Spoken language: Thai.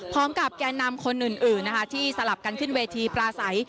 พร้อมกับแกนนำคนอื่นที่สลับกันขึ้นเวทีปลาใส